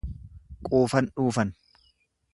Quufan dhuufan.